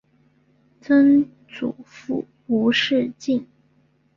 曾祖父吴仕敬。